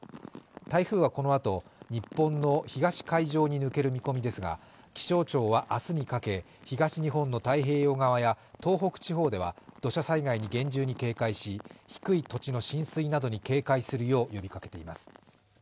台風はこのあと、日本の東海上に抜ける見込みですが、気象庁は明日にかけ、東日本の太平洋側や東北地方では土砂災害に厳重に警戒し低い土地の浸水などに警戒するよう呼びかけています。